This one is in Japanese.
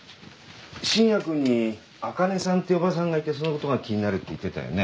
信也君にあかねさんっていう伯母さんがいてそのことが気になるって言ってたよね？